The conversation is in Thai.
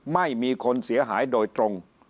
ไม่มีคนเสียหายโดยตรง